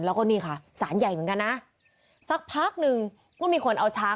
แล้วก็นี่ค่ะสารใหญ่เหมือนกันนะสักพักหนึ่งก็มีคนเอาช้าง